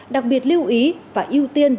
đặc biệt lưu ý và ưu tiên